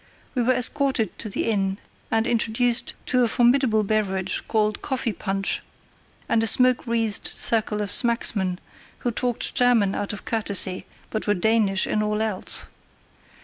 We were escorted to the inn, and introduced to a formidable beverage, called coffee punch, and a smoke wreathed circle of smacksmen, who talked German out of courtesy, but were Danish in all else.